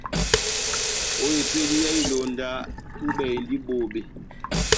Ó epédi yá ilonda, túbɛ endi bobé.